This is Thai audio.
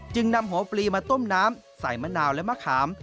นำหัวปลีมาต้มน้ำใส่มะนาวและมะขาม